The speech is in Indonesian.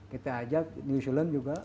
kita ajak new zealand juga